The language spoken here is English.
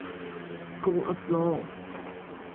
School of Law.